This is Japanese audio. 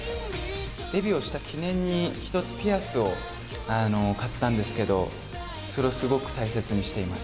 デビューをした記念に、一つピアスを買ったんですけど、それをすごく大切にしています。